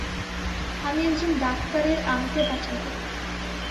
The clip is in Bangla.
আমি একজন ডাক্তারের আনতে পাঠাবো।